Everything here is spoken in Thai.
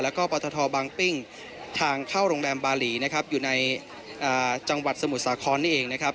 แล้วก็ปตทบางปิ้งทางเข้าโรงแรมบาหลีนะครับอยู่ในจังหวัดสมุทรสาครนี่เองนะครับ